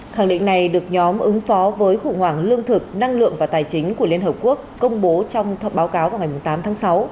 khẳng định này được nhóm ứng phó với khủng hoảng lương thực năng lượng và tài chính của liên hợp quốc công bố trong báo cáo vào ngày tám tháng sáu